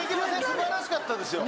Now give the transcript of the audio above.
素晴らしかったですよ。